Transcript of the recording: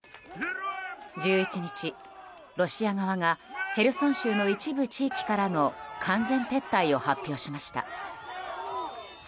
１１日、ロシア側がへルソン州の一部地域からの完全撤退を発表しました。